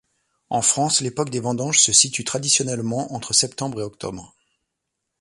En France, l'époque des vendanges se situe traditionnellement entre septembre et octobre.